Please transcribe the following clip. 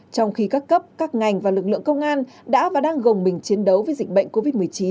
trong khi các cấp các ngành và lực lượng công an đã và đang gồng mình chiến đấu với dịch bệnh covid một mươi chín